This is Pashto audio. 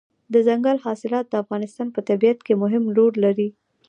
دځنګل حاصلات د افغانستان په طبیعت کې مهم رول لري.